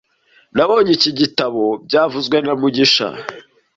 Nabonye iki gitabo byavuzwe na mugisha